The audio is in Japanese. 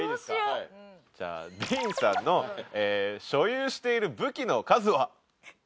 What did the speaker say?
じゃあＤＥＡＮさんの所有している武器の数は？